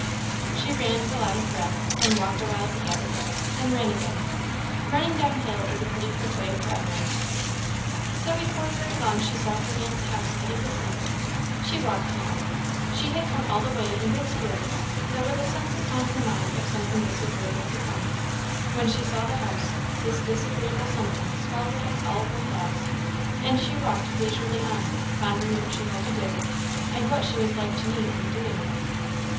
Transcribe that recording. She ran till out of breath; then walked awhile to gather breath; then ran again. Running down hill is a pretty quick way of travelling; so before very long she saw her aunt's house at a distance. She walked now. She had come all the way in good spirits, though with a sense upon her mind of something disagreeable to come; when she saw the house, this disagreeable something swallowed up all her thoughts, and she walked leisurely on, pondering what she had to do, and what she was like to meet in the doing of it.